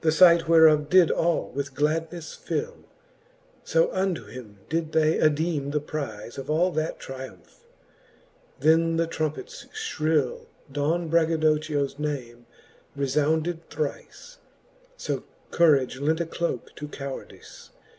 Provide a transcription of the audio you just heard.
The fight whereof did all with gladnefle fill : So unto him they did addeeme the prife Of all that tryumph. Then the trompets fhrill Don Braggadochio's name refounded thrife : So courage lent a cloke to cowardife.